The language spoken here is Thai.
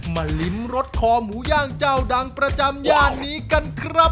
ลิ้มรสคอหมูย่างเจ้าดังประจำย่านนี้กันครับ